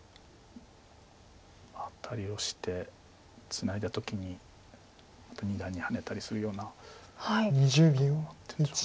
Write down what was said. アタリをしてツナいだ時にまた二段にハネたりするようなどうなってるんでしょう。